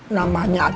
namanya aja bagus